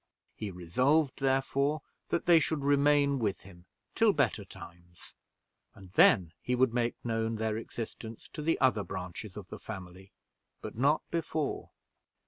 He resolved, therefore, that they should remain with him till better times; and then he would make known their existence to the other branches of the family, but not before.